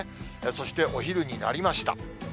そしてお昼になりました。